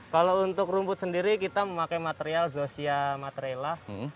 kalau untuk rumput sendiri kita memakai material zosia matrela